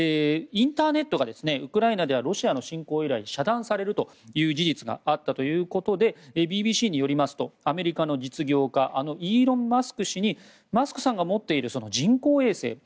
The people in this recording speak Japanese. インターネットがウクライナではロシアの侵攻以来遮断されるという事実があったということでＢＢＣによりますとアメリカの実業家あのイーロン・マスク氏にマスクさんが持っている人工衛星